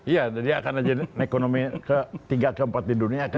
iya dia akan menjadi ekonomi ke tiga ke empat di dunia kan